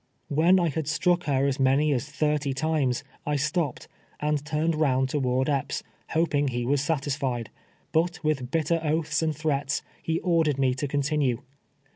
AVhen I had struck lier as many as thirt}' times, I stoj)ped, and turned round toward Epps, hoping he was satisfied ; but with bitter oaths and threats, he ordered me to continue.